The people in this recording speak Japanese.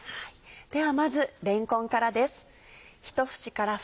ではまずれんこんからです。